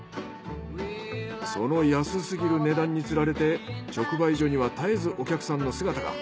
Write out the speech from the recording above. その安すぎる値段に釣られて直売所には絶えずお客さんの姿が。